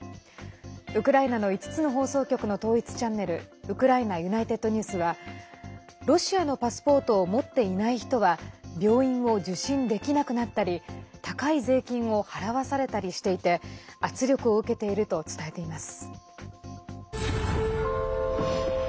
ウクライナの５つの放送局の統一チャンネルウクライナＵｎｉｔｅｄＮｅｗｓはロシアのパスポートを持っていない人は病院を受診できなくなったり高い税金を払わされたりしていて圧力を受けていると伝えています。